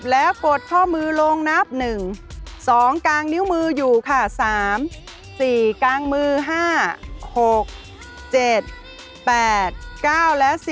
แล้วกดข้อมือลงนับ๑๒กลางนิ้วมืออยู่ค่ะ๓๔กลางมือ๕๖๗๘๙และ๔